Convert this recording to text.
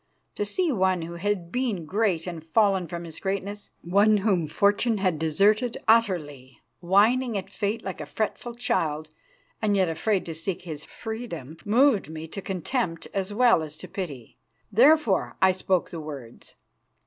To see one who had been great and fallen from his greatness, one whom Fortune had deserted utterly, whining at Fate like a fretful child, and yet afraid to seek his freedom, moved me to contempt as well as to pity. Therefore, I spoke the words.